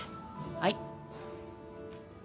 はい。